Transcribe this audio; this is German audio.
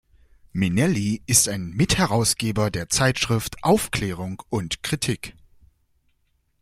Minelli ist Mitherausgeber der Zeitschrift "Aufklärung und Kritik".